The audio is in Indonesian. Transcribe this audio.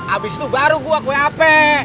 abis itu baru gue ke wap